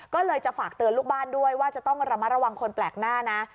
ก็เลยจะฝากเตือนลูกบ้านด้วยว่าจะต้องระมัดระวังคนแปลกหน้านะ